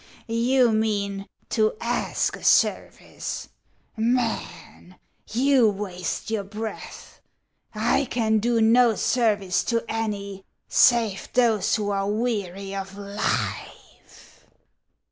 " You mean, to ask a service. Man, you waste your breath. I can do no service to any save those who are weary of life."